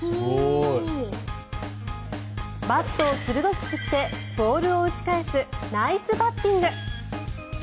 バットを鋭く振ってボールを打ち返すナイスバッティング。